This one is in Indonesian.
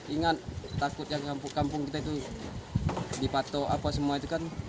ingat takut yang kampung kampung kita itu dipatok apa semua itu kan